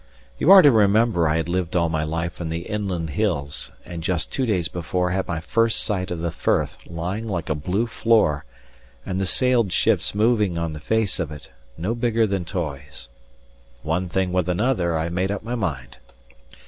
You are to remember I had lived all my life in the inland hills, and just two days before had my first sight of the firth lying like a blue floor, and the sailed ships moving on the face of it, no bigger than toys. One thing with another, I made up my mind.